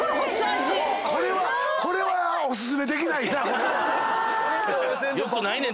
これはお薦めできないな。